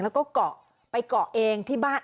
แล้วก็เกาะไปเกาะเองที่บ้าน